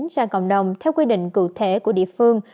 ra cộng đồng theo quy định cụ thể của địa phương